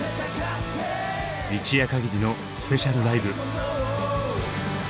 一夜限りのスペシャルライブ！